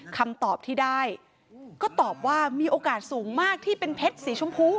คำตอบที่ได้ก็ตอบว่ามีโอกาสสูงมากที่เป็นเพชรสีชมพู